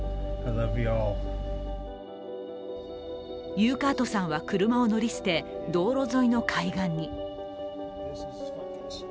ユーカートさんは車を乗り捨て道路沿いの海岸に。